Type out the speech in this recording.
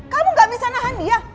kamu gak bisa nahan dia